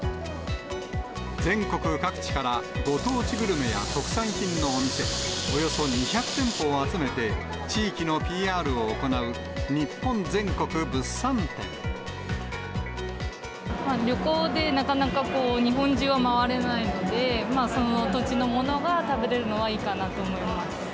全国各地からご当地グルメや特産品のお店、およそ２００店舗を集めて、地域のＰＲを行う、旅行でなかなか日本中は回れないので、その土地のものが食べれるのはいいかなと思います。